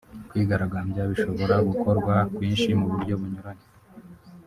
Kwigaragambya bishobora gukorwa kwinshi mu buryo bunyuranye